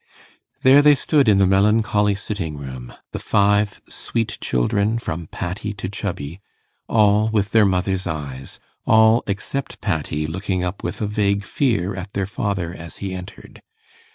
There they stood in the melancholy sitting room the five sweet children, from Patty to Chubby all, with their mother's eyes all, except Patty, looking up with a vague fear at their father as he entered.